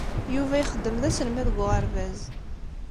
Yuba ixeddem d aselmad deg uɣerbaz.